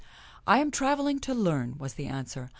" I am traveling to learn," was the answer.